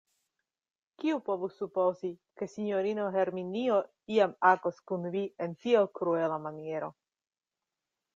Kiu povus supozi, ke sinjorino Herminio iam agos kun vi en tiel kruela maniero!